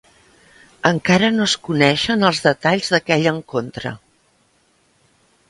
Encara no es coneixen els detalls d'aquell encontre.